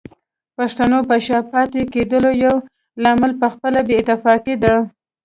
پښتنو په شا پاتې کېدلو يو لامل پخپله کې بې اتفاقي ده